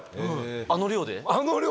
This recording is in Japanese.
あの量で？